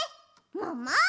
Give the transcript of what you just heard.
もも！